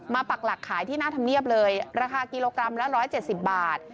ปักหลักขายที่หน้าธรรมเนียบเลยราคากิโลกรัมละ๑๗๐บาท